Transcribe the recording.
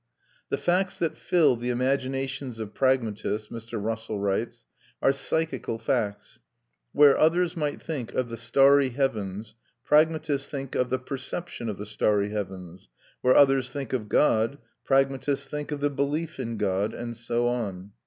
"The facts that fill the imaginations of pragmatists," Mr. Russell writes, "are psychical facts; where others might think of the starry heavens, pragmatists think of the perception of the starry heavens; where others think of God, pragmatists think of the belief in God, and so on.